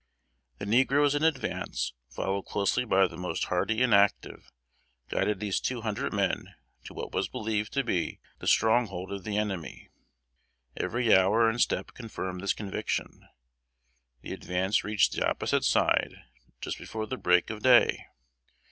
The negroes in advance, followed closely by the most hardy and active, guided these two hundred men to what was believed to be the stronghold of the enemy. Every hour and step confirmed this conviction. The advance reached the opposite side just before the break of day.